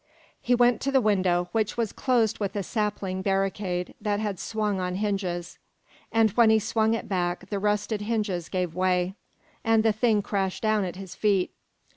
He went to the window, which was closed with a sapling barricade that had swung on hinges; and when he swung it back the rusted hinges gave way, and the thing crashed down at his feet.